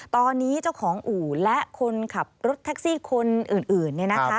ตอนนี้เจ้าของอู๋และคนขับรถแท็กซี่คนอื่น